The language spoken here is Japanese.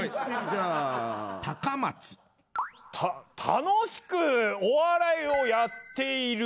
楽しくお笑いをやっている。